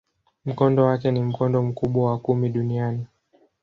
Mkondo wake ni mkondo mkubwa wa kumi duniani.